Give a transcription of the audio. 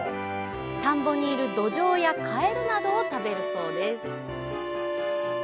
田んぼにいるドジョウやカエルなどを食べるそうです。